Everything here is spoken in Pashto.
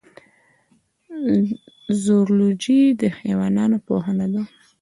زولوژی د حیواناتو پوهنه ده